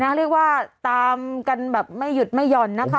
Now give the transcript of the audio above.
เรียกว่าตามกันแบบไม่หยุดไม่หย่อนนะคะ